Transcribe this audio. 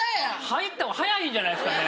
入ったほうが早いんじゃないですかね。